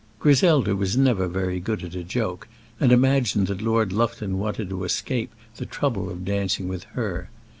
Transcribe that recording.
Griselda was never very good at a joke, and imagined that Lord Lufton wanted to escape the trouble of dancing with her.